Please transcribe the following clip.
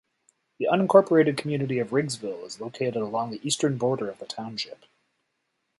The unincorporated community of Riggsville is located along the eastern border of the township.